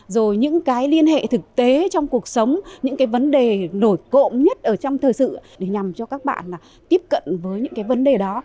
rồi những cái liên hệ thực tế trong cuộc sống những cái vấn đề nổi cộng nhất ở trong thời sự để nhằm cho các bạn tiếp cận với những cái vấn đề đó